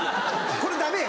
これダメよ